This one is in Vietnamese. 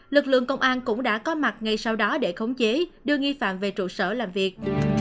lực lượng công an cũng đã có mặt ngay sau đó để khống chế đưa nghi phạm về trụ sở làm việc